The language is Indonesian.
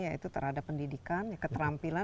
yaitu terhadap pendidikan keterampilan